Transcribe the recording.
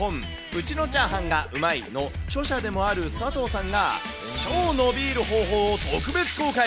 うちのチャーハンがウマい！の著者である佐藤さんが、超のびーる方法を特別公開。